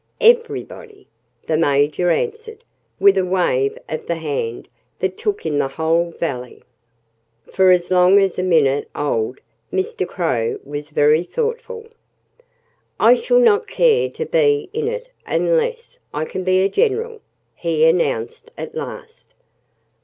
"Everybody!" the Major answered, with a wave of the hand that took in the whole valley. For as long as a minute old Mr. Crow was very thoughtful. "I shall not care to be in it unless I can be a general," he announced at last.